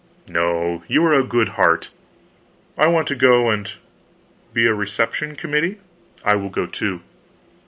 "No, you are a good heart. I want to go and " "Be a reception committee? I will go, too."